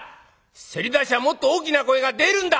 せり出しゃもっと大きな声が出るんだ！」。